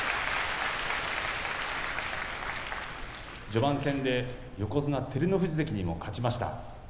序盤戦で横綱照ノ富士関にも勝ちました。